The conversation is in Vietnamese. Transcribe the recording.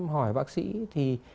hỏi bác sĩ thì